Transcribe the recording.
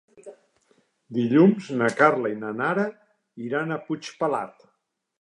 Dilluns na Carla i na Nara iran a Puigpelat.